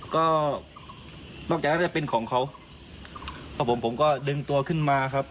ก็นอกจากนั้นจะเป็นของเขาครับผมผมก็ดึงตัวขึ้นมาครับ